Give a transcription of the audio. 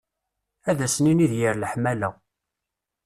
Ad s-nini d yir leḥmala.